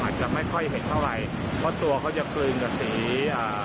อาจจะไม่ค่อยเห็นเท่าไหร่เพราะตัวเขาจะกลืนกับสีอ่า